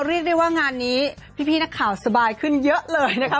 เรียกได้ว่างานนี้พี่นักข่าวสบายขึ้นเยอะเลยนะคะ